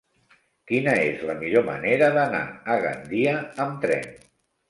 Quina és la millor manera d'anar a Gandia amb tren?